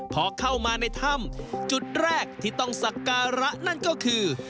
พอเข้ามาในถ้ำจุดแรกที่ต้องสักการะนั่นก็คือ